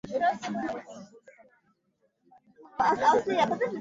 kulevyaVilevile ripoti moja iliyodhaminiwa na Umoja wa Nchi za Ulaya